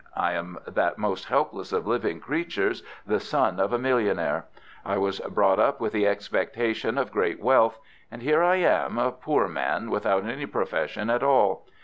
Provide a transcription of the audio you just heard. I am that most helpless of living creatures, the son of a millionaire. I was brought up with the expectation of great wealth; and here I am, a poor man, without any profession at all.